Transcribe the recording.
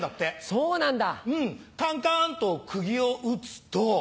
そうなんだ。